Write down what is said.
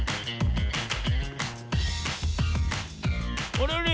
あれあれ？